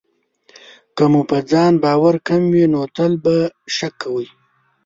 که مو په ځان باور کم وي، نو تل به شک کوئ.